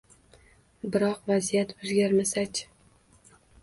Biroq vaziyat o‘zgarmasachi?